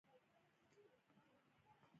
ټرېننگ والا په کوم بټن کښې گوته ووهله.